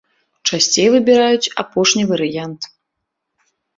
Часцей выбіраюць апошні варыянт.